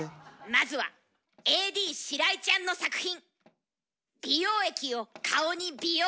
まずはＡＤ白井ちゃんの作品。